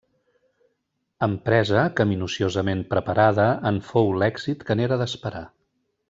Empresa que minuciosament preparada en fou l'èxit que n'era d'esperar.